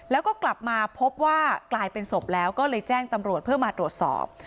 แล้วก็กลับมาพบว่ากลายเป็นศพแล้วก็เลยแจ้งตำรวจเพื่อมาตรวจสอบ